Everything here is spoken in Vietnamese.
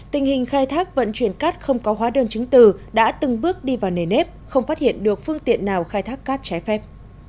tình hình khai thác vận chuyển cát không có hóa đơn chứng từ đã từng bước đi vào nề nếp không phát hiện được phương tiện nào khai thác cát trái phép